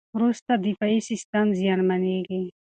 وروسته دفاعي سیستم زیانمنېږي.